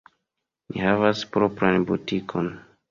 Ni havas propran butikon.